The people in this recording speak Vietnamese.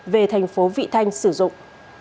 về thành phố vị thanh sử dụng